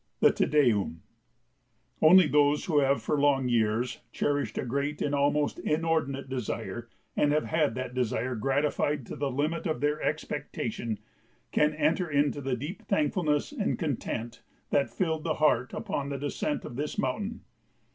[Sidenote: The Te Deum] Only those who have for long years cherished a great and almost inordinate desire, and have had that desire gratified to the limit of their expectation, can enter into the deep thankfulness and content that filled the heart upon the descent of this mountain.